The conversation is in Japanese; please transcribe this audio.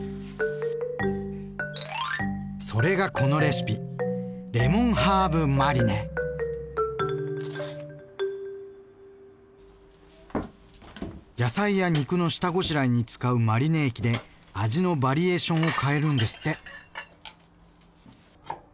それがこのレシピ野菜や肉の下ごしらえに使うマリネ液で味のバリエーションを変えるんですって。